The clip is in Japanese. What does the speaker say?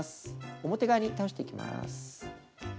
表側に倒していきます。